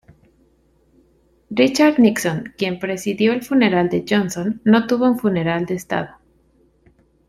Richard Nixon, quien presidió el funeral de Johnson, no tuvo un funeral de Estado.